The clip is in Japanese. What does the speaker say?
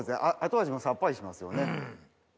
後味もさっぱりしますよね。